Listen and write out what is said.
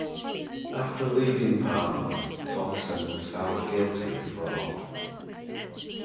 After leaving parliament, Thomson was found guilty of fraud.